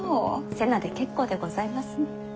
瀬名で結構でございます。